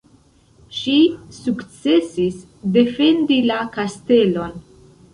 Ŝi sukcesis defendi la kastelon.